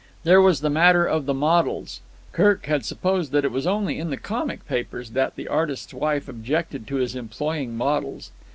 There was the matter of the models. Kirk had supposed that it was only in the comic papers that the artist's wife objected to his employing models.